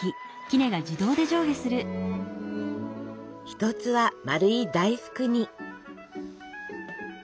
一つは丸い大福に。